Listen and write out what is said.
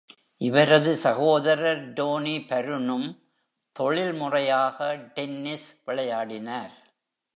இவரது சகோதரர் டோனி பருனும், தொழில்முறையாக டென்னிஸ் விளையாடினார்.